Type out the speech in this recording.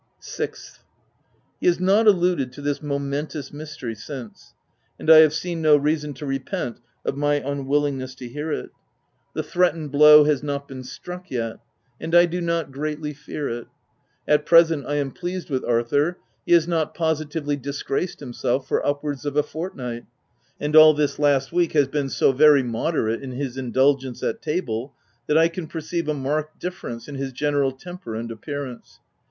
6th. He has not alluded to this momentous mystery since ; and I have seen no reason to repent of my unwillingness to hear it. The 272 THE TENANT threatened blow has not been struck yet ; and I do not greatly fear it. At present I am pleased with Arthur : he has not positively disgraced himself for upwards of a fortnight, and all this last week, has been so very moderate in his in dulgence at table, that I can perceive a marked difference in his general temper and appearance.